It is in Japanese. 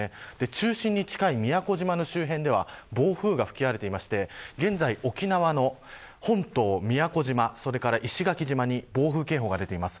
中心に近い宮古島の周辺では暴風が吹き荒れていまして現在、沖縄の本島、宮古島それから石垣島に暴風警報が出ています。